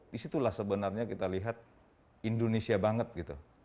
disitulah sebenarnya kita lihat indonesia banget gitu